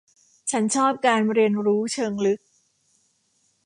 ฉันชอบการเรียนรู้เชิงลึก